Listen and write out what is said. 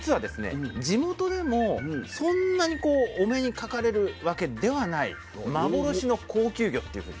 地元でもそんなにお目にかかれるわけではない幻の高級魚っていうふうに。